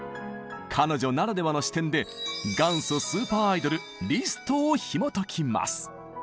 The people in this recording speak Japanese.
彼女ならではの視点で元祖スーパーアイドルリストをひもときます！